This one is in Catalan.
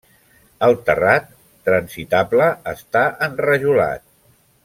El terrat, transitable, està enrajolat.